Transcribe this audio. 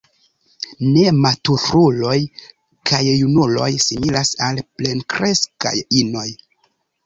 Nematuruloj kaj junuloj similas al plenkreskaj inoj.